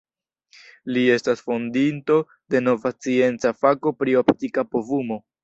Li estas fondinto de nova scienca fako pri optika povumo.